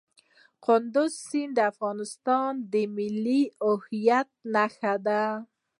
کندز سیند د افغانستان د ملي هویت نښه ده.